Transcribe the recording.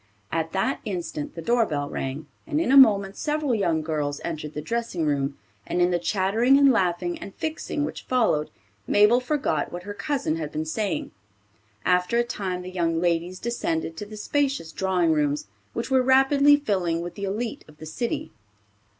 At that instant the doorbell rang, and in a moment several young girls entered the dressing room, and in the chattering and laughing and fixing which followed, Mabel forgot what her cousin had been saying. After a time the young ladies descended to the spacious drawing rooms, which were rapidly filling with the elite of the city.